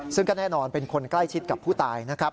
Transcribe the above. ซึ่งก็แน่นอนเป็นคนใกล้ชิดกับผู้ตายนะครับ